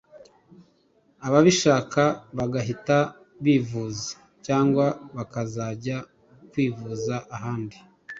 ababishaka bagahita bivuza cyangwa bakazajya kwivuza ahandi.